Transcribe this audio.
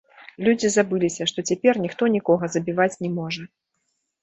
Людзі забыліся, што цяпер ніхто нікога забіваць не можа.